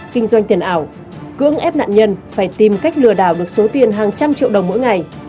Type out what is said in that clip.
kinh doanh tiền ảo cưỡng ép nạn nhân phải tìm cách lừa đảo được số tiền hàng trăm triệu đồng mỗi ngày